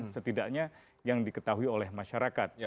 setidaknya yang diketahui oleh masyarakat